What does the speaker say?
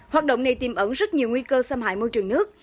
hoạt động này tìm ẩn rất nhiều nguy cơ xâm hại môi trường nước